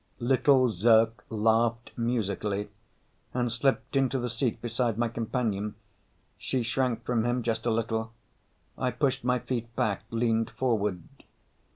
Little Zirk laughed musically and slipped into the seat beside my companion. She shrank from him, just a little. I pushed my feet back, leaned forward.